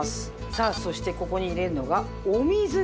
さあそしてここに入れるのがお水です。